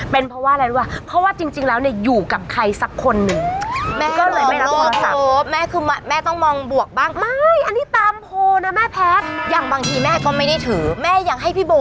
เป็นเพราะว่าอะไรรึวะ